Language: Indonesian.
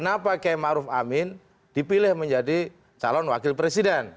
bahwa kenya kiai ma'ruf amin dipilih menjadi calon wakil presiden